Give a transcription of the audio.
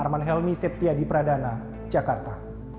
arman helmi septiadi pradana jakarta